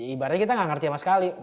ibaratnya kita nggak ngerti sama sekali